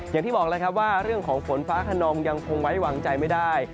อย่างที่บอกแล้วครับว่าเรื่องของฝนฟ้าขนองยังคงไว้วางใจไม่ได้